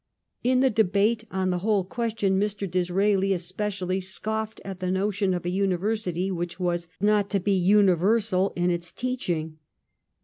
In the debate on the whole question, Mr. Disraeli, especially, scoffed at the notion of a university which was not to be " universal " in its teaching.